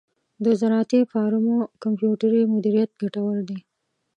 د زراعتی فارمو کمپیوټري مدیریت ګټور دی.